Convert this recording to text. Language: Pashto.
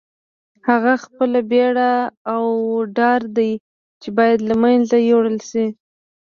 هغه خپله بېره او ډار دی چې باید له منځه یوړل شي.